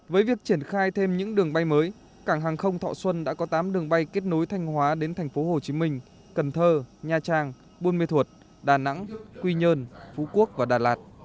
với việc triển khai thêm những đường bay mới cảng hàng không thọ xuân đã có tám đường bay kết nối thanh hóa đến thành phố hồ chí minh cần thơ nha trang buôn mê thuột đà nẵng quy nhơn phú quốc và đà lạt